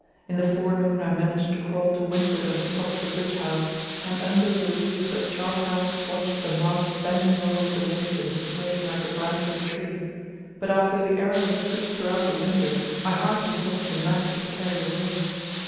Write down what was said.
In the forenoon I managed to crawl to windward on the top of the bridge house, and under the lee of the chart house watched the mast bending over with the wind and swaying like the branch of a tree, but after the aerial had stood throughout the winter I hardly thought the mast would carry away.